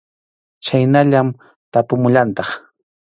Chhaynallaman tapumullantaq.